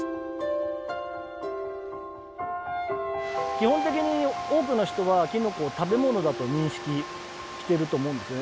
基本的に多くの人はきのこを食べものだと認識してると思うんですよね。